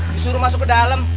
disuruh masuk ke dalam